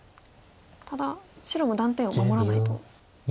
ただ白も断点を守らないと。